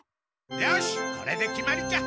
よしこれで決まりじゃ。